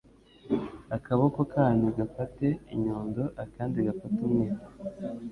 Akaboko kanyu gafate inyundo, akandi gafate umwiko